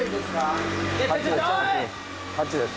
８です。